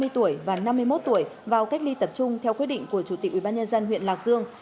hai mươi tuổi và năm mươi một tuổi vào cách ly tập trung theo quyết định của chủ tịch ubnd huyện lạc dương